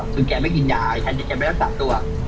คือแกไม่กินยาฉันจะไม่รักษาตัว